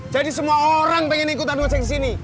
jadi semua orang pengen ikutan ngojek disini